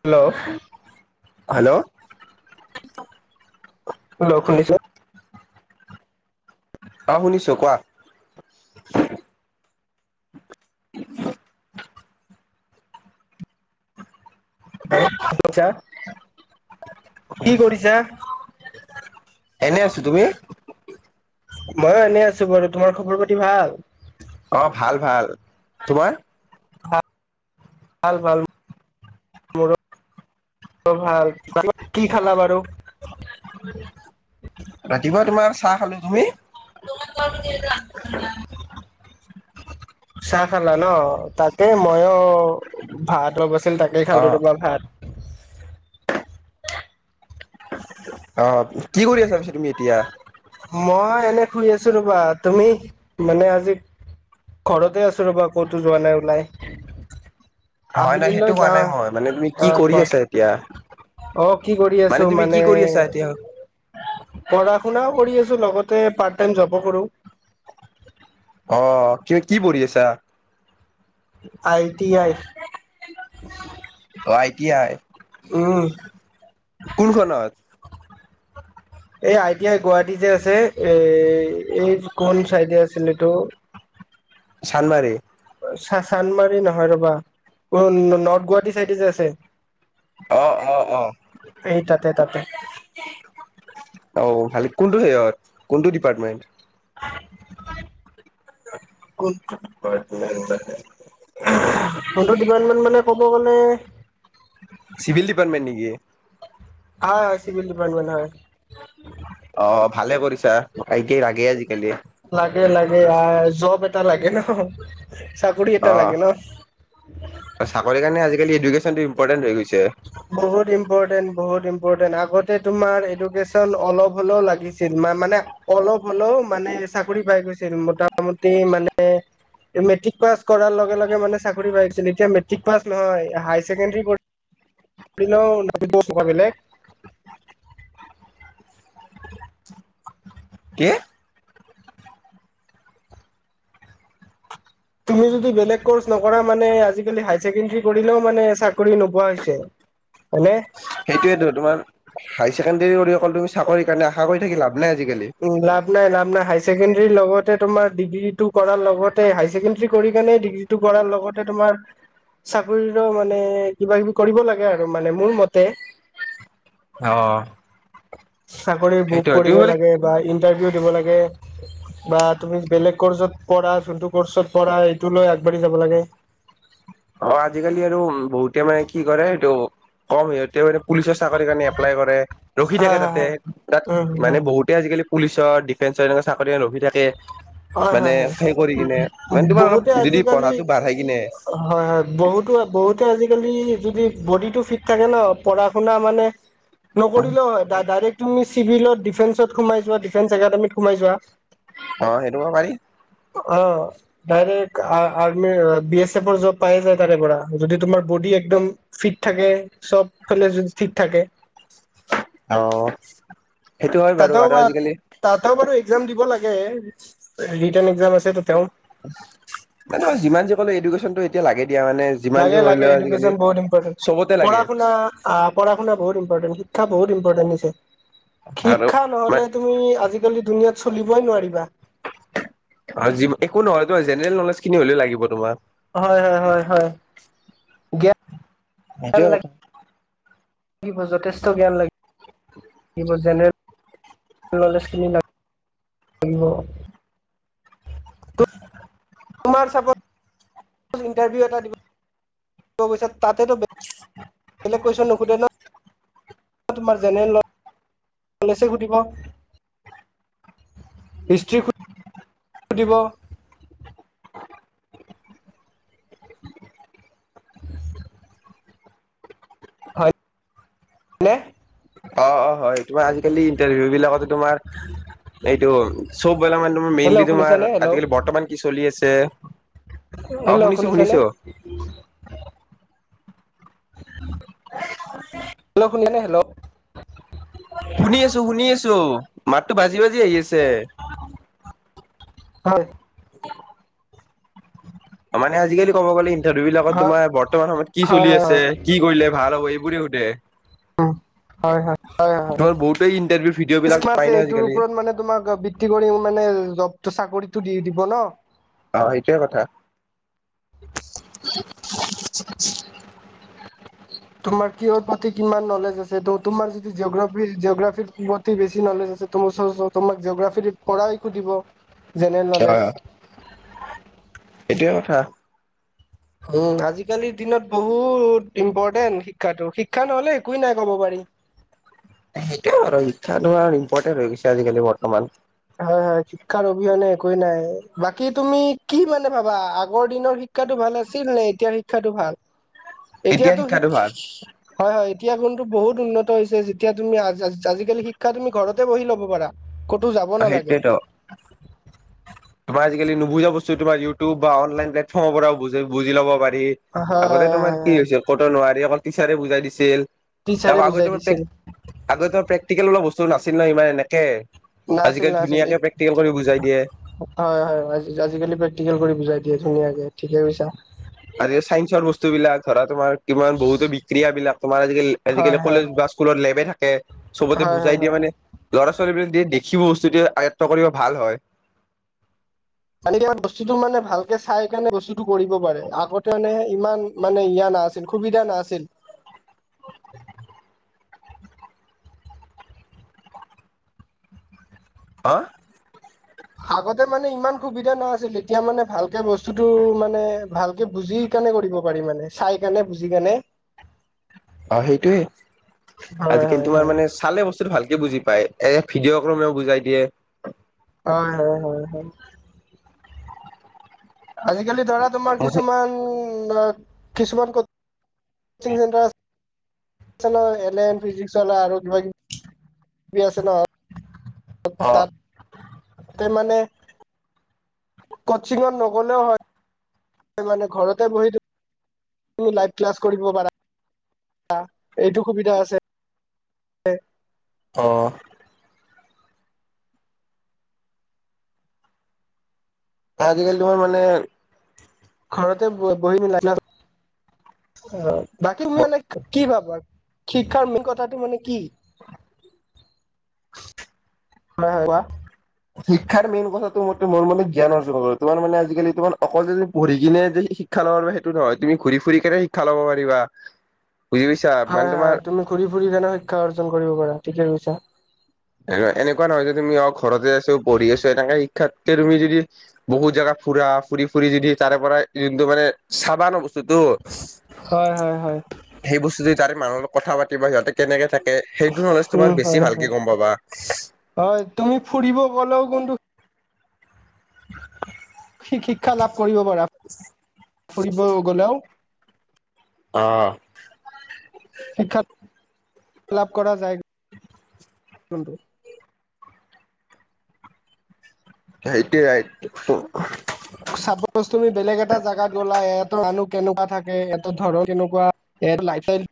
Hello. Hello. Hello শুনিছে অ শুনিছোঁ কোৱা? শুনিছা কি কৰিছা? এনে আছো তুমি? ময়ো এনে আছো বাৰু, তোমাৰ খবৰ পাতি ভাল? অহ ভাল ভাল তোমাৰ? ভাল ভাল মোৰো ভাল [unintelligible] কি খালা বাৰু? ৰাতিপুৱা তোমাৰ চাহ খালো তুমি? চাহ খালা ন? তাকে মইয়ো ভাত অৱস তাকেই অ খালো ৰবা ভাত। অহ। কি কৰি আছা পিছে তুমি এতিয়া? মই এনে শুই আছোঁ ৰবা। তুমি মানে আজি ঘৰতে আছোঁ ৰবা ক'তো যোৱা নাই ওলাই। নহয় নহয় আবেলিলৈ সেইটো কোৱা যাওঁ নাই মই মানে তুমি অ কি কৰি কোৱা আছা। অ কি কৰি আছো মানে তুমি কি কৰি আছা? এতিয়া পঢ়া শুনাও কৰি আছোঁ লগতে পাৰ্ট টাইম জবো কৰো। অহ কিহত কি পঢ়ি আছা? I T I. [inaudible] O I T I. উম কোনখনত? এই আই টি আই গুৱাহাটী যে আছে এ এই কোন চাইডে আছিল এইটো চানমাৰী চা চানমাৰী নহয় ৰ'বা উ নৰ্থ গুৱাহাটী চাইডে যে অ আছে অ অ এই তাতে তাতে অ ভালে কোনটো ইয়ে কোনটো ডিপাৰ্টমেন্ট [inaudible] কোনটো ডিপাৰ্টমেণ্ট মানে? কোনটো ডিপাৰ্টমেণ্ট মানে কব গলে চিভিল ডিপাৰ্টমেণ্ট নেকি হয় হয় চিভিল ডিপাৰ্টমেন্ট অ [inaudible] ভালে কৰিছা আইকে লাগে আজি লাগে লাগে আ জব এটা লাগে ন চাকৰি অ এটা লাগে ন কালি এডুকেশ্বনটো ইম্পৰ্টেণ্ট হৈ গৈছে বহুত ইম্পৰ্টেণ্ট বহুত ইম পৰ্টেণ্ট আগতে তোমাৰ এডুকেশ্বন অলপ হলেও লাগিছিল মানে অলপ হলেও মানে চাকৰি পাই গৈছিল মোটামুটি মানে মেট্ৰিক পাছ কৰাৰ লগে লগে মানে চাকৰি পাই গছিল এতিয়া মেট্ৰিক পাছ নহয় হাই ছেকেণ্ডাৰী [unintelligible] বেলেগ কি? তুমি যদি বেলেগ কৰ্চ নকৰা মানে আজিকালি হাই ছেকেণ্ডাৰী কৰিলেও মানে চাকৰি নোপোৱা হৈছে। হয়নে? সেইটোয়েতো তোমাৰ হাই ছেকেণ্ডেৰী কৰি অকল তুমি চাকৰিৰ কাৰণে আশা কৰি থাকি লাভ নাই আজিকালি। উম লাভ নাই লাভ নাই হাই ছেকেণ্ড ণ্ডাৰী লগতে তোমাৰ ডিগ্ৰীটো কৰাৰ লগতে হাই ছেকেণ্ডাৰী কৰি কেনে ডিগ্ৰীটো কৰাৰ লগতে তোমাৰ চাকৰিৰো মানে কিবা কিবি কৰিব লাগে আৰু মানে মোৰ মতে অহ চাকৰিৰ বুক পঢ়িব লাগে বা ইন্টাৰভিউ দিব লাগে বা তুমি বেলেগ কোৰ্চত পঢ়া যোনটো কোৰ্চত পঢ়া এইটো লৈ আগবাঢ়ি যাব লাগে অ আজিকালি আৰু বহুতে মানে কি কৰে এইটো কম সিহঁতে মানে পুলিচৰ চাকৰিৰ কাৰণে এপ্লাই কৰে ৰখি হয় থাকে হয় তাতে হয় তাত উম মানে বহুতে আজিকালি পুলিচৰ ডিফেন্সৰ এনেকুৱা চাকৰি কাৰনে ৰখি থাকে হয়- মানে হয় -হয় সেই কৰি কিনে মানে তোমাৰ অলপ বহুতে যদি আজিকালি পঢ়াটো বাঢ়াই কিনে হয় - হয়। বহুতো -বহুতে আজিকালি যদি বডিটো ফিট থাকে ন পঢ়া শুনা মানে অ, নকৰিলেও হয় ডাইৰেক্ট। তুমি চিভিলত ডিফেন্সত সোমাই যোৱা ডিফেন্স একাডেমিত সোমাই যোৱা। অহ ', সেইটো পাৰি। অহ ', ডাইৰেক্ট আৰ্মি বি এছ এফৰ জব পাই যায় তাৰে পৰা যদি তোমাৰ বডি একদম ফিট থাকে চব ফালে যদি ফিট থাকে। অহ', তাত [unintelligible] তাতেও বাৰু এক্সাম দিব লাগে ৰিটেণ এক্সাম আছে তাতেও টো এতিয়া লাগে। দিয়া মানে যিমান যি লাগে - লাগে কৰিলেও আজিকালি এডুকেশ্যন বহুত ইম্পৰ্টেণ্ট। চবতে পঢ়া লাগে শুনা পঢ়া শুনা বহুত ইম্পৰ্টেণ্ট। শিক্ষা বহুত ইম্পৰ্টেন্ট হৈছে। শিক্ষা আৰু নহ'লে তুমি আজি আজিকালি দুুনীয়াত চলিবই নোৱাৰিবা। অ যি একো নহয় তোমাৰ জেনেৰেল নলেজ খিনি হলেও লাগিব তোমাক। হয় -হয় -হয় -হয়। জ্ঞান হেইটোই কথা। ল যথেষ্ট জ্ঞান লাগিব জেনেৰেল নলেজখিনি [unintelligible] তোমাৰ চাপ ইণ্টাৰভিউ এটা দিব গৈছা। তাতেতো বেলেগ কৈছ নু সুধে ন। তোমাৰ জেনেৰেল সুধিব হিষ্ট্ৰী দিব। হয়নে। অহ', - অহ ', হয় তোমাৰ আজিকালি ইন্টাৰভিউ বিলাকতে তোমাৰ এইটো চব মেইনলি হেল্ল' তোমাৰ শুনিছানে হেল্ল' আজিকালি বৰ্তমান কি চলি আছে অহ', হেল্ল' শুনিছো - শুনিছানে শুনিছো। হেল্ল', শুন নে হেল্ল', শুনি আছো -শুনি আছো। মাতটো বাজি- বাজি আহি আছে। হয়। মানে আজিকালি ক'ব গ'লে দু বিলাকত হয়, তোমাৰ বৰ্তমান সময়ত কি হয়, হয়, চলি আছে কি কৰিলে ভাল হ'ব এইবোৰে সুধে হয়, হয়, হয়, হয়, হয়। তোমাৰ বহুতে ইন্টাৰভিউ ভিডিঅ' বিলাক পাই আছে ন এইটোৰ আজিকালি। ওপৰত তোৰ চাকৰিটো দি দিব ন। অহ', সেইটোৱে কথা। তোমাৰ কিহৰ প্ৰতি কিমান নলেজ আছে তোমাৰ যদি জিঅগ্ৰাফি- জিঅগ্ৰাফিৰ প্ৰতি বেছি নলেজ আছে ওচ তোমাক জিঅগ্ৰাফী পৰাই সুধিব। General knowledge. এইটোৱে কথা। উম, আজিকালিৰ দিনত বহুত ইম্পৰ্টেণ্ট শিক্ষাটো, শিক্ষা নহলে একোৱেই নাই ক'ব পাৰি। সেইটোয়ে আৰু শিক্ষানো ইম্পৰ্টেন্ট হৈ গৈছে আজিকালি বৰ্তমান। হয় হয় শিক্ষাৰ অবিহনে একোৱে নাই বাকী তুমি কি মানে ভাবা আগৰ দিনৰ শিক্ষাটো ভাল আছিল নে এতিয়া শিক্ষাটো ভাল। এতিয়া এতিয়াতো শিক শিক্ষাটো ভাল হয় হয়। এতিয়া কিন্তু বহুত উন্নত হৈছে যেতিয়া তুমি আজিকালি শিক্ষা তুমি ঘৰতে বহি ল'ব পাৰা কতো যাব অ' নালাগে সেইটোৱেত তোমাৰ কেলে নুবুজা বস্তু তোমাৰ ইউটিউব বা অনলাইন প্লেটফৰ্ম পৰাও বুজি ল'ব পাৰি। এই হয় আগতে তোমাৰ কি হয় হৈছে ক'তো নোৱাৰি অকল টিচাৰে বুজাই দিছিল। টিচাৰে তাৰপা বুজাই আগতে দিছিল প্ৰেক আগতে প্ৰেক্টিকেল বোলা বস্ত টো নাছিল না ইমান এনেকে। নাছিল, আজিকালি নাছিল ধুনীয়াকে এইট প্ৰেক্টিকেল কৰি বুজাই দিয়ে। হয়, হয়, হয় আজিকালি প্ৰেক্টিকেল কৰি বুজাই দিয়ে ধুনীয়াকে, ঠিকে কৈছা। ধৰাৰ তোমাৰ কিমান বহুতো বিক্ৰিয়াবিলাক তোমাৰ আজিকালি আজিকালি হয় হয় কলেজ বা স্কুলত লেবে থাক কে চবতে হয় হয় বুজাই হয় দিয়ে মানে ল'ৰা ছোৱা ছোৱালী বিলাকে যে দেখিব বস্তুটো আয়ত্ব কৰিব ভাল হয়। মানে কি হয় বস্তুটো মানে ভালকে চাই কেনে বস্তুটো কৰিব পাৰে, আগতে মানে ইমান মানে ইয়াৰ নাছিল সুবিধা নাছিল। অহ' আগতে মানে ইমান সুবিধা না আছিল। তেতিয়া মানে ভালকে বস্তুটো মানে ভালকে বুজি কেনে কৰিব পাৰি মানে চাই কেনে বুজি কেনে। অ' সেইটোৱে হয় আজিকালি হয় তোমাৰ হয় মানে চালে বস্তুতটো ভাল কে বুজি পায়, এ ভিডিঅ' ক্ৰমেও বুজাই দিয়ে। হয় হয় হয় হয় আজিকালি ধৰাৰ। তোমাৰ কিছুমান কিছুমান coaching centre Allen, physics Wallah আৰু কিবা কিবি আছে ন অ তাতে মানে ক'চিঙত নগ'লেও হয় মানে ঘৰতে বহি তুমি লাইভ ক্লাছ কৰিব পাৰা, এইটো সুবিধা আছে। অঁ। আজিকালি তোমাৰ মানে ঘৰতে ব বহি পেলাই ক্লাছত, অঁ বাকী মানে কি ভাবা? শিক্ষাৰ মেইন কথাটো মানে কি হয় কোৱা? শিক্ষাৰ মেইন কথাটো মতে মোৰ মানে জ্ঞান অৰ্জন কৰা, তোমাৰ মানে আজিকালি তোমাৰ অকল পঢ়ি কিনে যে শিক্ষা ল'ব পাৰিবা সেইটো নহয়, তুমি ঘূৰি ফুৰি কেনে শিক্ষা ল'ব পাৰিবা বুজি পাইছা মানে হয় তোমাৰ হয়, তুমি ঘূৰি ফুৰি কেনেও শিক্ষা অৰ্জন কৰিব পাৰা। ঠিকেই কৈছা। এনে এনেকুৱা নহয় যে তুমি অঁ ঘৰতে আছো পঢ়ি আছো এনেকা শিক্ষাতকে তুমি যদি বহুত জেগা ফুৰা, ফুৰি ফুৰি যদি তাৰে পৰা যোনটো মানে চাবা ন ব বস্তুটো, হয় হয় হয় সেই বস্তুটো তাৰে মানুহ লগ কথা পাতিব সিহঁতে কেনেকে থাক এ সেইটো নলেজ উম তুমাৰ বেছি হয় ভালকে হয় গম পাবা। হয় তুমি ফুৰিব গ'লেও কোনটো [inaudible] শিক্ষা লাভ কৰিব পাৰা ফুৰিব গ'লেও অ' শিক্ষা লাভ কৰা যায় সেইটোৱে চাপজ তুমি বেলেগ এটা জেগাত গ'লা [unintelligible] মানুহ কেনেকুৱা থাকে এ সেহেতৰ ধৰক কেনেকুৱা এটা লাইফ ষ্টাইল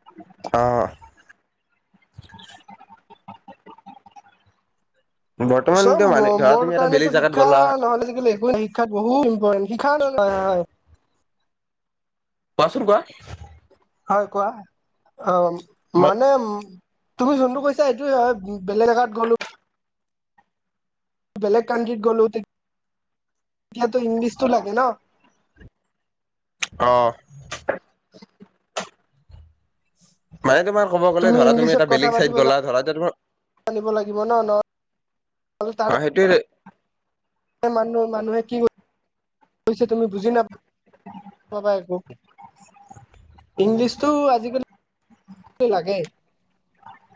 অ' বৰ্তমান চব মানে ধৰা মোৰ তুমি এটা কাৰণেতো বেলেগ জাগাত শিক্ষা গ'লা। নহ'লে আজিকালি শিক্ষাত বহুত ইম্পৰ্টেণ্ট শিক্ষা [inaudible] কোৱাচোন কোৱা। হয় কোৱা অ' মানে। তুমি যোনটো কৈছা এইটোে হয় বেলেগ জেগাত গলো। বেলেগ কানট্ৰিত গ'লো তেতিয়াতো ইংলিছতটো লাগে ন' অ মানে তোমাৰ ক'ব গলে ধৰা তুমি ইংলিছত এটা কথা বেলেগ পাতিব চাইত গলা ধৰা এ জানিব লাগিব ন নহ'লে তোমাৰ তাৰে অ' সেইটোৱে। মানুহ মানুহে কি বুলি কি কৈছে তুমি বুজি নাপাাবা একো। ইংলিছটো আজিকালি লাগে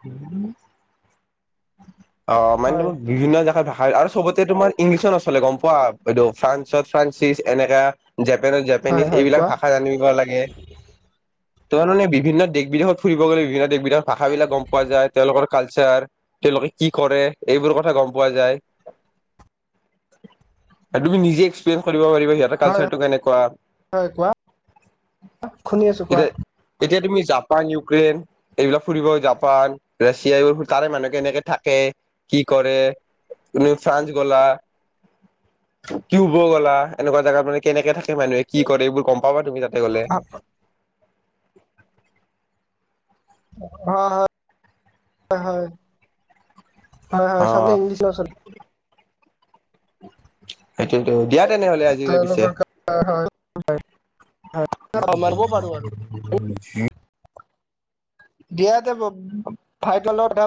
উম [inaudible] অ মানে হয় তোমাৰ বিভিন্ন জেগাৰ ভাষা আৰু চবতে তোমাৰ ইংলিছত নচলে গম পোৱা এই ফ্ৰানসত ফ্ৰানসিছ এনেকা জাপানৰ হয় জেপানিজ হয় এইবিলাক কোৱা ভাষা জানিব লাগে তাৰ মানে বিভিন্ন দেশ বিদেশত ফুৰিব গলে বিভিন্ন দেশ বিদেশত ভাষা বিলাক গম তেওঁলোকৰ কালচাৰ তেওঁলোকে কি কৰে এইবোৰ কথা গম পোৱা যায় আৰু তুমি নিজে এক্সপ্ৰীয়েনছ কৰিব পাৰিবা সিহঁতৰ হয় কালচাৰটো কেনেকুৱা হয় কোৱা শুনি আছো কোৱা হয় এতিয়া এতিয়া তুমি জাপান ইউক্ৰেইন এইবিলাক ফুৰিব যাব ফ্ৰান্স ৰাছিয়া এইবোৰ তাৰে মানুহ কেনেকে থাকে কি কৰে ফ্ৰান্স গলা কিউব গ'লা এনেকুৱা জেগাত মানে কেনেকে থাকে মানুহে কি কৰে এইবোৰ গম পাবা তুমি তাতে গলে অহ হয় হয় হয় হয় অ সবেই ইংলিছ নচলে [inaudible] সেইটোতো দিয়া তেনেহলে আজিলৈ পিছে তেওঁলোকৰ হয় হয় দিয়াতে ভাইকৰ কথা পাতিবলৈ,